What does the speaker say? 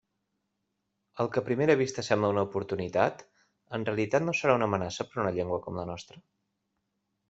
El que a primera vista sembla una oportunitat, en realitat no serà una amenaça per una llengua com la nostra?